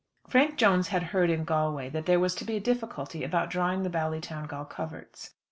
Frank Jones had heard in Galway, that there was to be a difficulty about drawing the Ballytowngal coverts.